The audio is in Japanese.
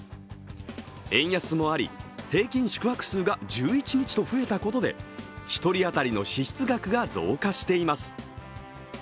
円安もあり、平均宿泊数が１１日と増えたことで１人当たりの支出額が増加しています。